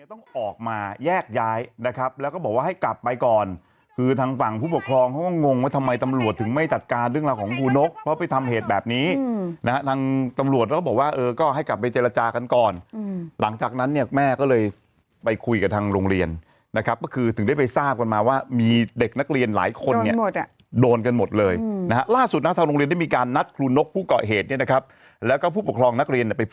ต้องออกมาแยกย้ายนะครับแล้วก็บอกว่าให้กลับไปก่อนคือทางฝั่งผู้ปกครองเขาก็งงว่าทำไมตำรวจถึงไม่จัดการเรื่องราวของครูนกเพราะไปทำเหตุแบบนี้นะครับทางตำรวจแล้วก็บอกว่าเออก็ให้กลับไปเจรจากันก่อนหลังจากนั้นเนี่ยแม่ก็เลยไปคุยกับทางโรงเรียนนะครับก็คือถึงได้ไปทราบกันมาว่ามีเด็กนักเรียนหลายคนเนี่ยโ